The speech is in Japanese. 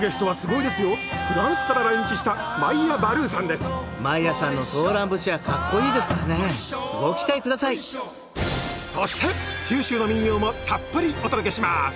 ご期待下さいそして九州の民謡もたっぷりお届けします